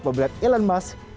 pembelian elon musk